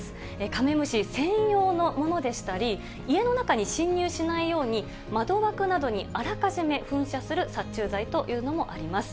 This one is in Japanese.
カメムシ専用のものでしたり、家の中に侵入しないように、窓枠などにあらかじめ噴射する殺虫剤というのもあります。